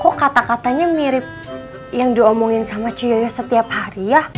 kok kata katanya mirip yang diomongin sama ciyoyo setiap hari ya